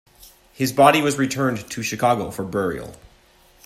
His body was returned to Chicago for burial.